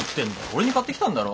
俺に買ってきたんだろ？